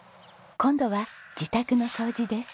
今度は自宅の掃除です。